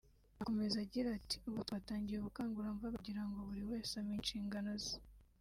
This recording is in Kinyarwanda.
Akomeza agira ati” Ubu twatangiye ubukangurambaga kugira ngo buri wese amenye inshingano ze